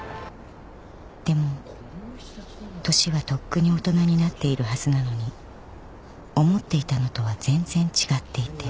［でも年はとっくに大人になっているはずなのに思っていたのとは全然違っていて］